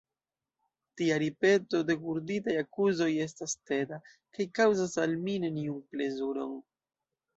Tia ripeto de gurditaj akuzoj estas teda, kaj kaŭzas al mi neniun plezuron.